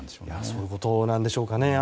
そういうことなんでしょうかね。